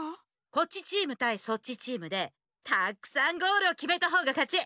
こっちチームたいそっちチームでたくさんゴールをきめたほうがかち。